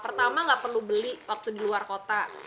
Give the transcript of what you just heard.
pertama nggak perlu beli waktu di luar kota